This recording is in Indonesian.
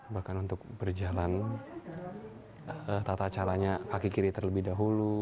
bahkan untuk berjalan tata caranya kaki kiri terlebih dahulu